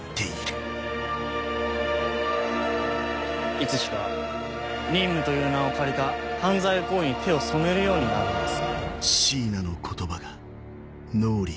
いつしか任務という名を借りた犯罪行為に手を染めるようになるんです